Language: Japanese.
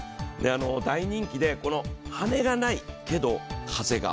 大人気で、羽根がないけど風が。